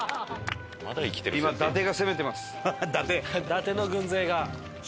伊達の軍勢が。